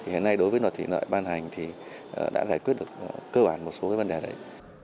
hiện nay đối với luật thủy lợi ban hành thì đã giải quyết được cơ bản một số vấn đề đấy